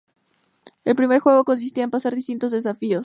El primer juego consistía en pasar distintos desafíos.